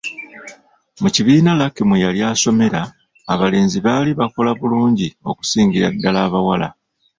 Mu kibiina Lucky mwe yali asomera, abalenzi baali bakola bulungi okusingira ddala abawala.